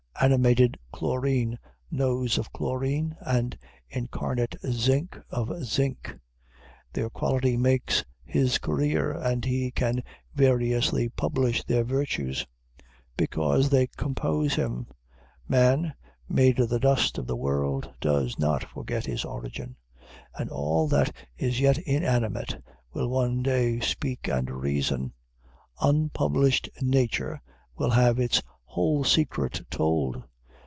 Animated chlorine knows of chlorine, and incarnate zinc, of zinc. Their quality makes his career; and he can variously publish their virtues, because they compose him. Man, made of the dust of the world, does not forget his origin; and all that is yet inanimate will one day speak and reason. Unpublished nature will have its whole secret told.